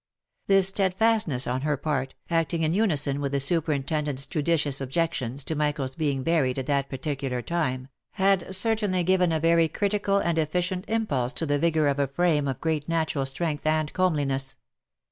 This steadfastness on her part, acting in unison with the superintendent's judicious objections to Michael's being buried at that particular time, had certainly given a very critical and efficient impulse to the vigour of a frame of great natural strength and comeliness.